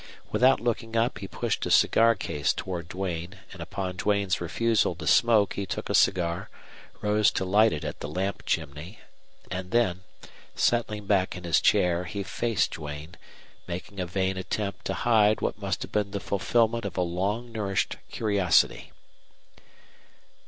Without looking up he pushed a cigar case toward Duane, and upon Duane's refusal to smoke he took a cigar, rose to light it at the lamp chimney, and then, settling back in his chair, he faced Duane, making a vain attempt to hide what must have been the fulfilment of a long nourished curiosity.